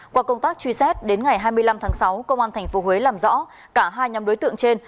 qua công tác truy xét đến ngày hai mươi năm tháng sáu công an tp huế làm rõ cả hai nhóm đối tượng trên